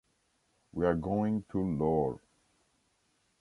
We are going to Lloar.